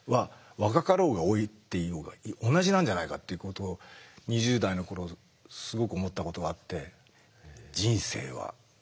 若かろうが老いていようが同じなんじゃないかっていうことを２０代の頃すごく思ったことがあって。